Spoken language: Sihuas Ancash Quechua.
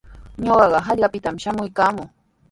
Ñuqaqa hallqapitami shamuykaamuu.